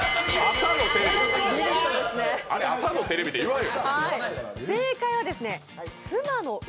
あれ朝のテレビって言わへん。